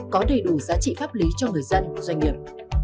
có đầy đủ giá trị pháp lý cho người dân doanh nghiệp